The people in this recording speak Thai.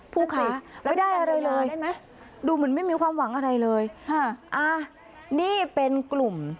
ผู้ขายไม่ได้อะไรเลยดูเหมือนไม่มีความหวังอะไรเลยค่ะอ่านี่เป็นกลุ่ม